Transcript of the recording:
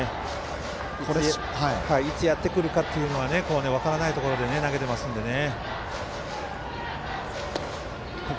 いつやってくるかというのが分からないところで投げてますんでね。